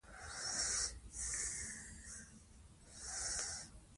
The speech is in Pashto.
نور یې د عربو متحدینو سره واټن ګڼي.